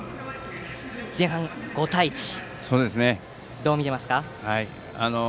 前半５対１、どう見ていますか？